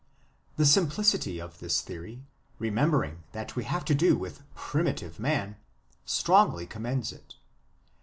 The simplicity of this theory, remem bering that we have to do with primitive man, strongly commends it.